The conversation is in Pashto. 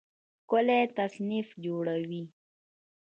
ښکلی تصنیف جوړوي